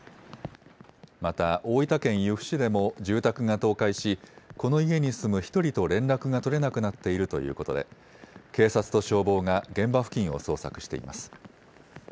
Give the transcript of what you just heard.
また大分県由布市でも住宅が倒壊しこの家に住む１人と連絡が取れなくなっているということで警察と消防が現場付近を捜索しています。